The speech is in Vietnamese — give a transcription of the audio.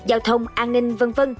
giao thông an ninh v v